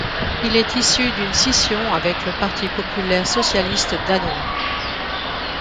Il est issu d'une scission avec le Parti populaire socialiste danois.